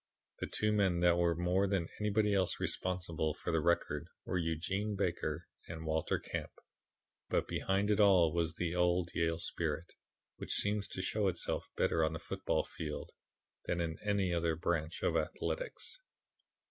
The two men that were more than anybody else responsible for the record were Eugene Baker and Walter Camp, but behind it all was the old Yale spirit, which seems to show itself better on the football field than in any other branch of athletics."